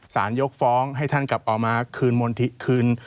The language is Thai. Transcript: สารยกฟ้องให้ท่านกลับเอามาคืน